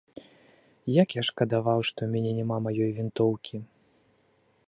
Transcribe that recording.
Як я шкадаваў, што ў мяне няма маёй вінтоўкі.